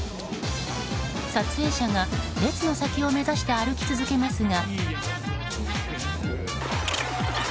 撮影者が、列の先を目指して歩き続けますが。